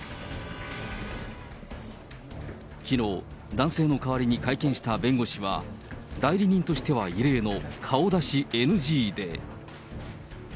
きのう、男性の代わりに会見した弁護士は、代理人としては異例の顔出しＮＧで。